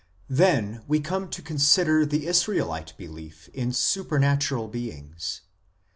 Then we come to consider the Israelite belief in super natural beings.